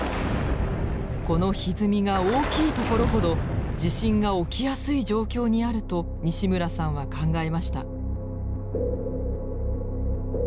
このひずみが大きいところほど地震が起きやすい状況にあると西村さんは考えました。